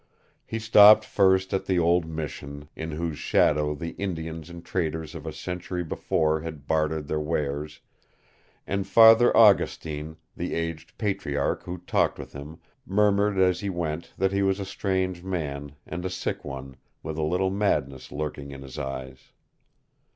He stopped first at the old mission, in whose shadow the Indians and traders of a century before had bartered their wares, and Father Augustine, the aged patriarch who talked with him, murmured as he went that he was a strange man, and a sick one, with a little madness lurking in his eyes.